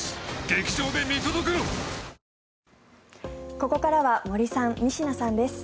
ここからは森さん、仁科さんです。